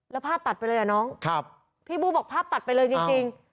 แล้วภาพตัดไปเลยอ่ะน้องพี่บู้บอกภาพตัดไปเลยจริง